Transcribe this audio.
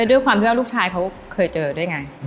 เป็นด้วยความเชื่อลูกชายเขาเคยเจอได้ไง